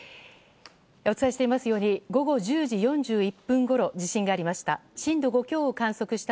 お伝えしていますように午後１０時４１分ごろ地震がありました。